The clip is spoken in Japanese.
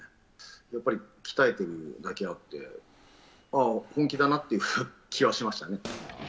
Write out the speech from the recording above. やっぱり鍛えているだけあって、本気だなっていう気はしましたね。